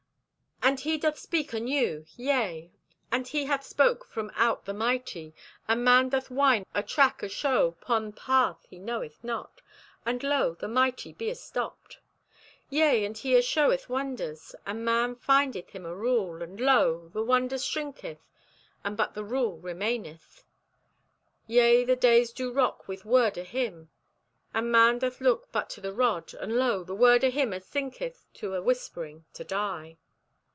"And He doth speak anew; yea, and He hath spoke from out the mighty, and man doth whine o' track ashow 'pon path he knoweth not—and lo, the mighty be astopped! "Yea, and He ashoweth wonders, and man findeth him a rule, and lo, the wonder shrinketh, and but the rule remaineth! "Yea, the days do rock with word o' Him, and man doth look but to the rod, and lo, the word o' Him asinketh to a whispering, to die.